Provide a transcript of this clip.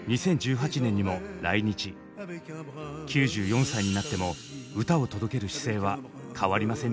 ９４歳になっても歌を届ける姿勢は変わりませんでした。